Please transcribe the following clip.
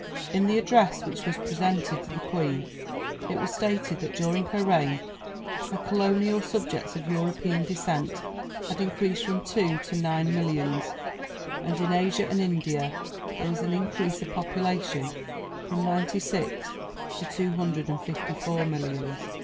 In the address which was presented to the Queen it was stated that during her reign her colonial subjects of European descent had increased from two to nine millions, and in Asia and India there was an increase of population from ninety six to two hundred and fifty four millions.